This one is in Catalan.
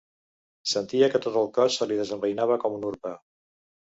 Sentia que tot el cos se li desembeinava com un urpa.